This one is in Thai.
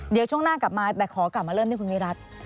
เดี๋ยวช่วงหน้ากลับมาแต่ขอกลับมาเริ่มที่คุณวิรัติ